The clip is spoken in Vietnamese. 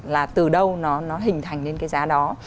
là từ đâu nó hình thành lên cái giá đó